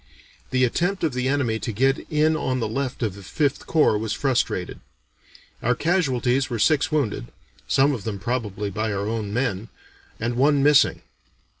The attempt of the enemy to get in on the left of the Fifth Corps was frustrated. Our casualties were six wounded (some of them probably by our own men) and one missing.